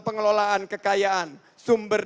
pengelolaan kekayaan sumber